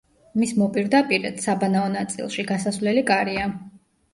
მის მოპირდაპირედ საბანაო ნაწილში გასასვლელი კარია.